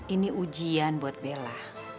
ini ujian buat bella